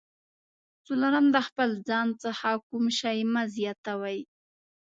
څلورم: د خپل ځان څخه کوم شی مه زیاتوئ.